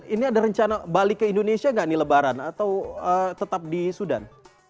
ini ada rencana balik ke indonesia nggak nih lebaran atau tetap di sudan